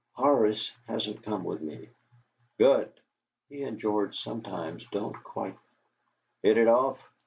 "Horace hasn't come with me." "Good!" "He and George sometimes don't quite " "Hit it off?